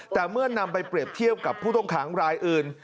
แต่เมื่อนำไปเปรียบเทียบกับผู้ต้องขังรายอื่น